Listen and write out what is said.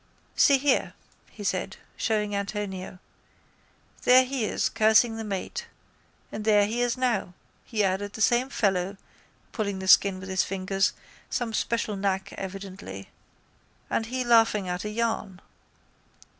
—See here, he said, showing Antonio. There he is cursing the mate. And there he is now, he added, the same fellow, pulling the skin with his fingers, some special knack evidently, and he laughing at a yarn.